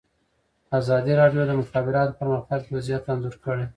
ازادي راډیو د د مخابراتو پرمختګ وضعیت انځور کړی.